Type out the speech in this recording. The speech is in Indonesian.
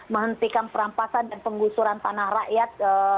menghentikan perampasan dan penggusuran tanah rakyat